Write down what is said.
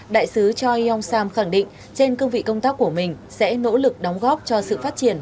đại sứ choi yong sam khẳng định trên cương vị công tác của mình sẽ nỗ lực đóng góp cho sự phát triển